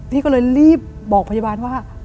พี่ก็เลยรีบบอกพยาบาลว่า